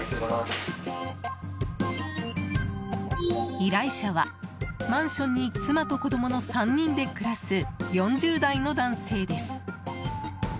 依頼者はマンションに妻と子供の３人で暮らす４０代の男性です。